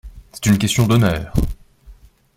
C’est une question d’honneur.